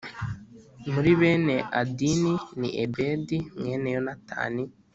Muri bene Adini ni Ebedi mwene Yonatani